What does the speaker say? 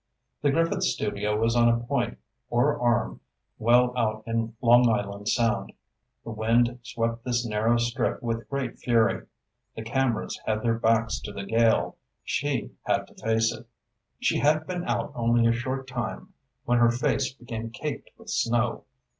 The Griffith studio was on a point or arm well out in Long Island Sound. The wind swept this narrow strip with great fury. The cameras had their backs to the gale. She had to face it. She had been out only a short time when her face became caked with snow.